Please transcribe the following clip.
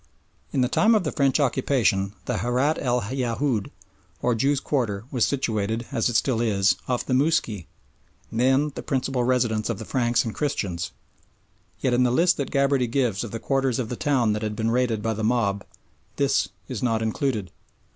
In the time of the French occupation the Harat el Yahoud, or Jews' Quarter, was situated, as it still is, off the Mousky, then the principal residence of the Franks and Christians, yet in the list that Gabarty gives of the quarters of the town that had been raided by the mob this is not included.